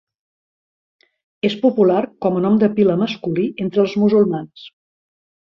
És popular com a nom de pila masculí entre els musulmans.